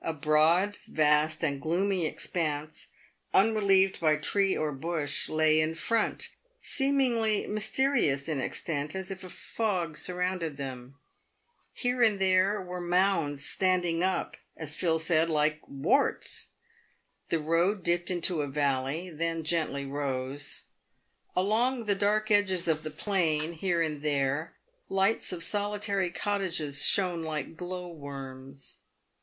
A broad, vast, and gloomy expanse, unrelieved by tree or bush, lay in front, seeming mysterious in extent, as if a fog surrounded them. Here and there were mounds standing up, as Phil said, " like warts." The road dipped into a valley, then gently rose. Along the dark edges of the plain, here and there, lights of solitary cottages shone like glow worms.